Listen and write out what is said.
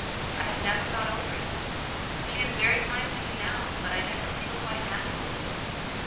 I have never got over it ; she is very kind to me now, but I never feel quite natural with her.